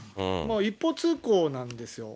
一方通行なんですよ。